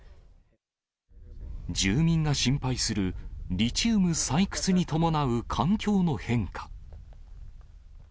住民が心配する、リチウム採掘に伴う環境の変化。